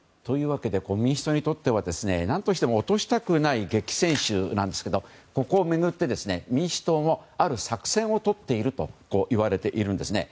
民主党にとっては何としても落としたくない激戦州なんですけどここを巡って民主党もある作戦をとっているといわれているんですね。